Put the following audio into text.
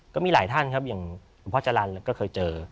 ก็มีหลายท่านครับอย่างหลวงพ่อจรรย์ก็เคยเจอ